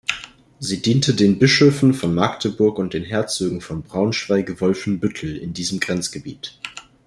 Sie dienten den Bischöfen von Magdeburg und den Herzögen von Braunschweig-Wolfenbüttel in diesem Grenzgebiet.